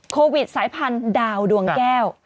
โควิดสายพันธุ์ดาวดวงแก้ว